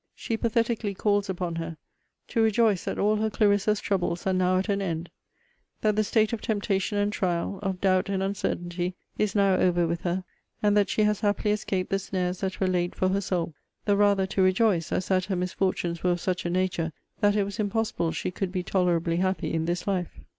She pathetically calls upon her 'to rejoice that all her Clarissa's troubles are now at an end; that the state of temptation and trial, of doubt and uncertainty, is now over with her; and that she has happily escaped the snares that were laid for her soul; the rather to rejoice, as that her misfortunes were of such a nature, that it was impossible she could be tolerably happy in this life.'